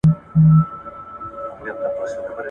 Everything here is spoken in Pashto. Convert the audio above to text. د زور زياتی د خلګو کرکه رامنځته کوي.